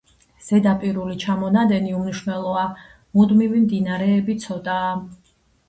ზედაპირული ჩამონადენი უმნიშვნელოა; მუდმივი მდინარეები ცოტაა.